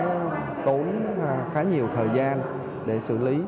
nó tốn khá nhiều thời gian để xử lý